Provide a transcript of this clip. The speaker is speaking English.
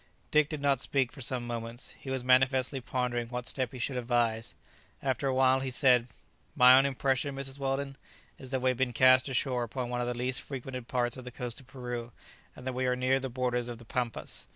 Dick did not speak for some moments. He was manifestly pondering what step he should advise. After a while he said, "My own impression, Mrs. Weldon, is that we have been cast ashore upon one of the least frequented parts of the coast of Peru, and that we are near the borders of the Pampas.